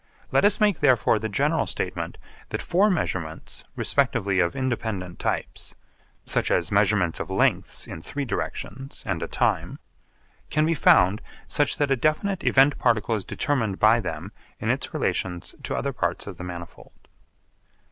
Let us make therefore the general statement that four measurements, respectively of independent types (such as measurements of lengths in three directions and a time), can be found such that a definite event particle is determined by them in its relations to other parts of the manifold.